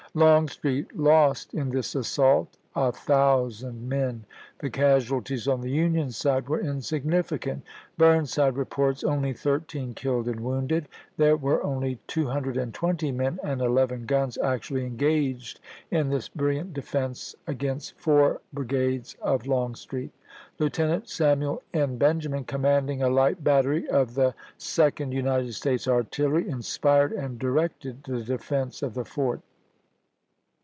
Longstreet lost in this assault a thousand men ; the casualties on the Union side were insignificant; Burnside reports only thirteen killed and wounded. There were only 220 men and 11 guns actually engaged in this brilliant defense, against four brigades of Longstreet. Lieutenant Samuel N. Benjamin, commanding a light battery of the Sec ond United States Artillery, inspired and directed the defense of the fort.